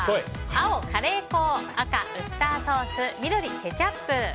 青、カレー粉赤、ウスターソース緑、ケチャップ。